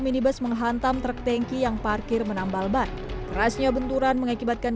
minibus menghantam truk tanki yang parkir menambal ban kerasnya benturan mengakibatkan